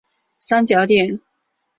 三角点。